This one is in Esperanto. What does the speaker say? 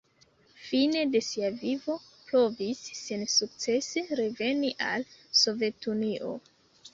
Fine de sia vivo provis sensukcese reveni al Sovetunio.